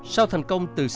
sau thành công từ c hub